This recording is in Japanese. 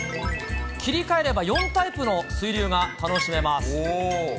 切り替えれば、４タイプの水流が楽しめます。